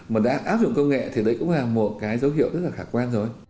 mà đã áp dụng công nghệ thì đấy cũng là một cái dấu hiệu rất là khả quan rồi